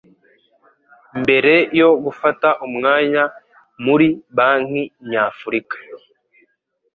mbere yo gufata umwanya muri Banki Nyafurika